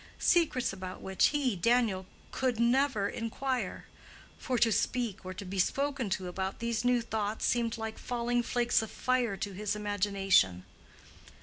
—Secrets about which he, Daniel, could never inquire; for to speak or to be spoken to about these new thoughts seemed like falling flakes of fire to his imagination.